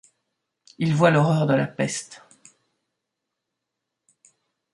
Il voit l’horreur de la peste.